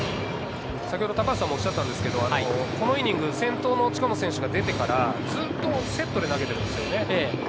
先ほど高橋さんもおっしゃったんですけど、先頭の近本選手が出てから、ずっとセットで投げてるんですよね。